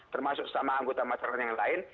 termasuk sesama anggota masyarakat yang lain